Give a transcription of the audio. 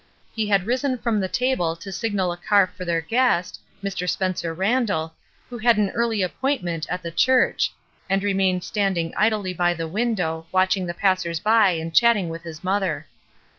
He had risen from the table to signal a car for their guest, Mr. Spencer Randall, who had an early appoint ment at the church, and remained standing idly by the window, watching the passers by and chatting with his mother.